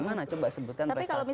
mana coba sebutkan prestasi